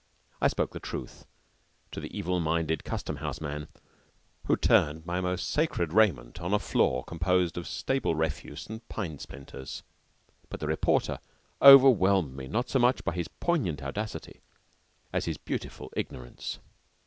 I spoke the truth to the evil minded Custom House man who turned my most sacred raiment on a floor composed of stable refuse and pine splinters; but the reporter overwhelmed me not so much by his poignant audacity as his beautiful ignorance.